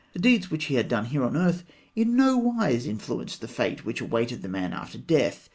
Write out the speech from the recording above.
The deeds which he had done here on earth in no wise influenced the fate which awaited the man after death.